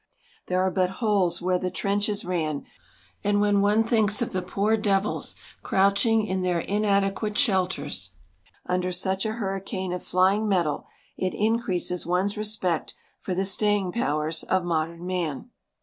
There are but holes where the trenches ran, and when one thinks of the poor devils crouching in their inadequate shelters under such a hurricane of flying metal, it increases one's respect for the staying powers of modern man.